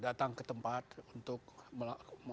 datang ke tempat untuk melakukan